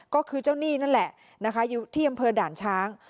ก็คือเจ้าหนี้นั่นแหละนะคะอยู่ที่อำเภอด่านช้าง